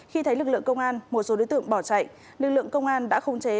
khi thấy lực lượng công an một số đối tượng bỏ chạy lực lượng công an đã không chế